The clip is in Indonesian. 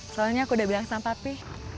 soalnya aku udah bilang sama papi